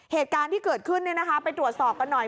เหตุการณ์ที่เกิดขึ้นไปตรวจสอบกันหน่อย